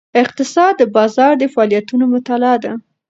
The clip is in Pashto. اقتصاد د بازار د فعالیتونو مطالعه ده.